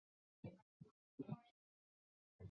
沙斐仪学派规定了五个权威的教法来源。